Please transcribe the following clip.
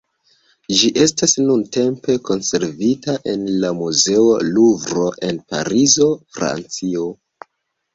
Ĝi estas nuntempe konservita en la Muzeo Luvro en Parizo, Francio.